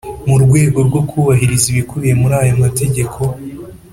mu rwego rwo kubahiriza ibikubiye muri aya mategeko.